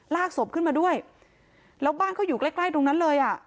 ลากศพขึ้นมาด้วยแล้วบ้านเขาอยู่ใกล้ตรงนั้นเลย